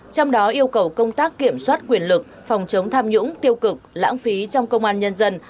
trong đó yêu cầu công tác kiểm soát quyền lực phòng chống tham nhũng tiêu cực lãng phí trong công an nhân dân